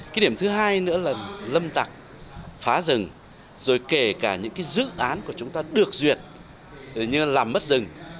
cái điểm thứ hai nữa là lâm tặc phá rừng rồi kể cả những dự án của chúng ta được duyệt nhưng mà làm mất rừng